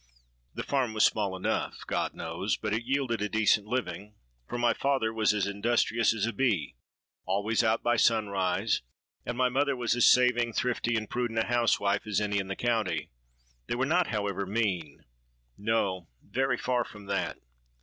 The farm was small enough, God knows; but it yielded a decent living,—for my father was as industrious as a bee,—always out by sunrise,—and my mother was as saving, thrifty, and prudent a housewife as any in the county. They were not, however, mean: no—very far from that.